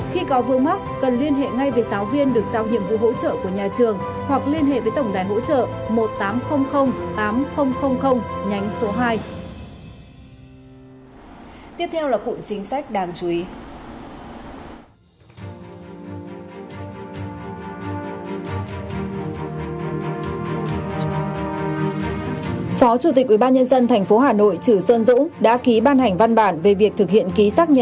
khi có vương mắc cần liên hệ ngay với giáo viên được giao nhiệm vụ hỗ trợ của nhà trường